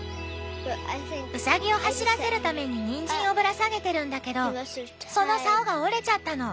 うさぎを走らせるためににんじんをぶら下げてるんだけどそのさおが折れちゃったの。